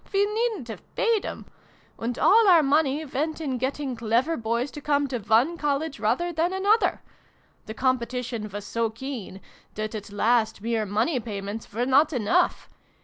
We needn't have paid 'em ! And all our money went in getting clever boys to come to one College rather than another ! The competition was so keen, that at last mere money payments were not enough.